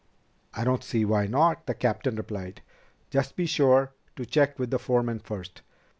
"I don't see why not," the captain replied. "Just be sure to check with the foreman first.